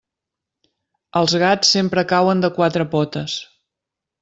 Els gats sempre cauen de quatre potes.